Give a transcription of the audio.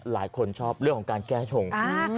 หลายคนชอบเรื่องของการแก้ชง